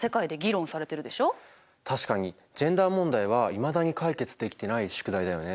確かにジェンダー問題はいまだに解決できてない宿題だよね。